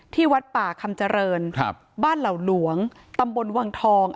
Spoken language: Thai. วัดป่าคำเจริญครับบ้านเหล่าหลวงตำบลวังทอง